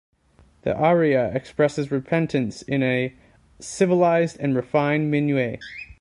The aria expresses repentance in a "civilised and refined minuet".